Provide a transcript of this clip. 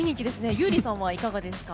優里さんはいかがですか。